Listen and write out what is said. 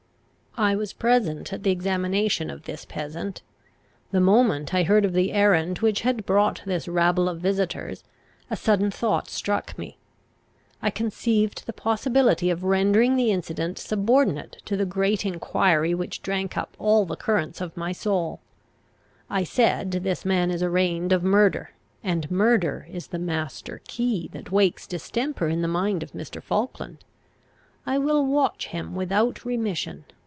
I was present at the examination of this peasant. The moment I heard of the errand which had brought this rabble of visitors, a sudden thought struck me. I conceived the possibility of rendering the incident subordinate to the great enquiry which drank up all the currents of my soul. I said, this man is arraigned of murder, and murder is the master key that wakes distemper in the mind of Mr. Falkland. I will watch him without remission.